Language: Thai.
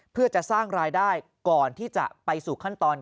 เพื่อจะสร้างรายได้ก่อนที่จะไปสู่ขั้นตอน